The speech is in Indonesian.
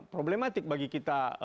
problematik bagi kita